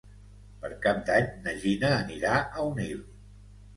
Per Cap d'Any na Gina anirà a Onil.